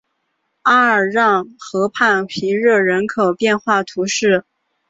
阿尔让河畔皮热人口变化图示